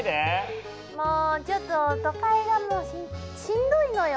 もうちょっと都会がもうしんどいのよ。